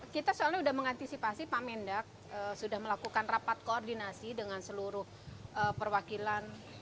kita soalnya sudah mengantisipasi pak mendak sudah melakukan rapat koordinasi dengan seluruh perwakilan